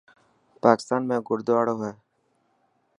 پاڪستان ۾ گڙدواڙو هي.